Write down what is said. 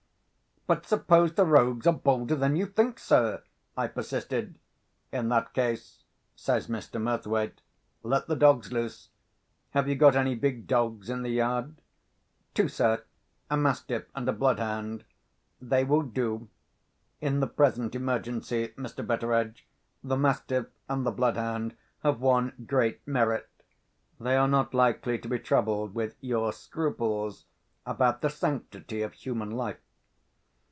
"But suppose the rogues are bolder than you think, sir?" I persisted. "In that case," says Mr. Murthwaite, "let the dogs loose. Have you got any big dogs in the yard?" "Two, sir. A mastiff and a bloodhound." "They will do. In the present emergency, Mr. Betteredge, the mastiff and the bloodhound have one great merit—they are not likely to be troubled with your scruples about the sanctity of human life."